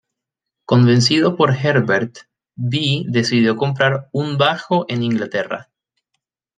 Convencido por Herbert, Bi decidió comprar un bajo en Inglaterra.